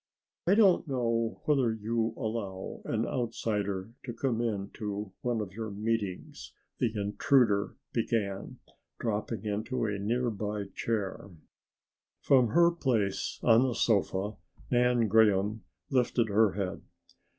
"I don't know whether you allow an outsider to come into one of your meetings," the intruder began, dropping into a near by chair. From her place on the sofa Nan Graham lifted her head.